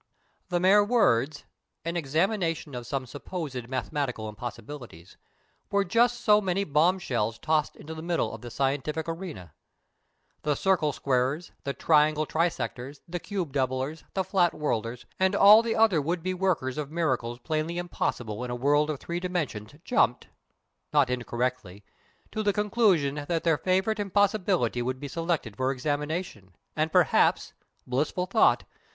The mere words, "An Examination of Some Supposed Mathematical Impossibilities," were just so many bomb shells tossed into the middle of the scientific arena. The circle squarers, the triangle trisectors, the cube doublers, the flat worlders, and all the other would be workers of miracles plainly impossible in a world of three dimensions jumped not incorrectly to the conclusion that their favourite impossibility would be selected for examination, and, perhaps blissful thought!